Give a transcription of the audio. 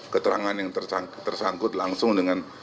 keterangan yang tersangkut langsung dengan